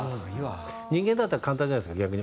人間だったら簡単じゃないですか逆に。